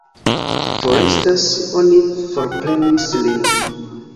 Forestas, oni forprenis lin.